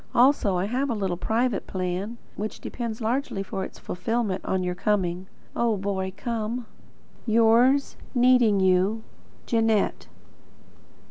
Also I have a little private plan, which depends largely for its fulfilment on your coming. Oh, Boy come! Yours, needing you, Jeanette.